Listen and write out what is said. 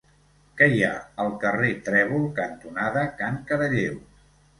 Què hi ha al carrer Trèvol cantonada Can Caralleu?